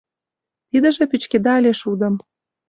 Тидыже пӱчкеда ыле шудым».